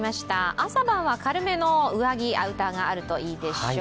朝晩は軽めのアウターがあるといいでしょう。